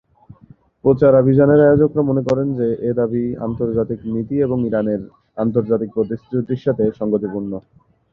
প্রচারাভিযানের আয়োজকরা মনে করেন যে, এ দাবি ইসলামী নীতি এবং ইরানের আন্তর্জাতিক প্রতিশ্রুতির সাথে সঙ্গতিপূর্ণ।